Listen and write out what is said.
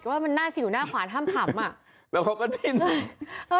ว่ามันหน้าสิวหน้าขวานห้ามขำอ่ะแล้วเขาก็ดิ้น